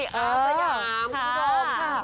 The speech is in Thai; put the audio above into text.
อาสยามคุณผู้ชม